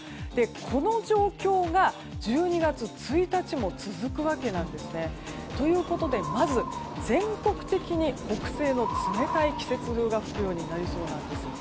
この状況が１２月１日も続くわけなんですね。ということで、まず全国的に北西の冷たい季節風が吹くようになりそうなんです。